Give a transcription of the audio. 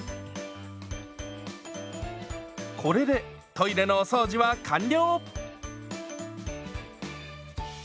これでトイレのお掃除は完了！